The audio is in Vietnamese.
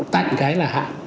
tạnh cái là hạng